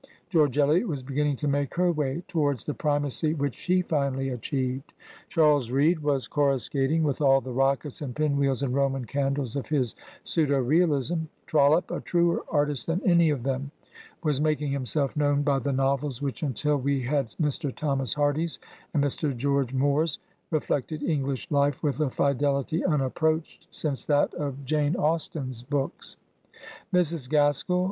George Eliot was beginning to make her way towards the primacy which she finally achieved ; Charles Reade was corruscating with all the rockets and pin wheels and Roman candles of his pseudo realism; Trollope, a truer artist than any of them, was making himself known by the novels which, until we had Mr. Thomas Hardy's and Mr. George Moore's, reflected English life with a fidelity unapproached since that of Jane 220 Digitized by VjOOQIC CHARLOTTE BRONTFS JANE EYRE Austen's books. Mrs.